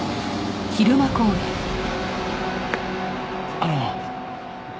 あの。